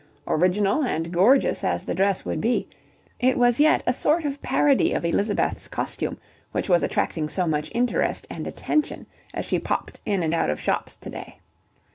Original and gorgeous as the dress would be, it was yet a sort of parody of Elizabeth's costume which was attracting so much interest and attention as she popped in and out of shops to day.